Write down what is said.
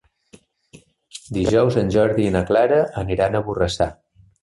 Dijous en Jordi i na Clara aniran a Borrassà.